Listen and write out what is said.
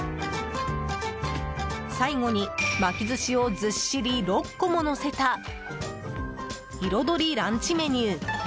最後に巻き寿司をずっしり６個も乗せた彩りランチメニュー。